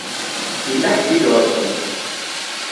Yella ḥedd i iɣelṭen.